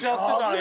今。